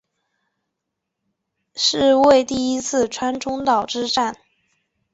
是为第一次川中岛之战。